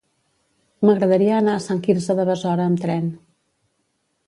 M'agradaria anar a Sant Quirze de Besora amb tren.